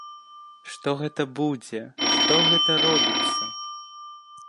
Што гэта будзе, што гэта робіцца?